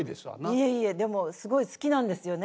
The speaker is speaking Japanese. いえいえでもすごい好きなんですよね